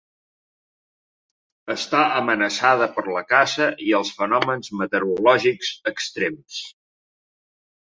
Està amenaçada per la caça i els fenòmens meteorològics extrems.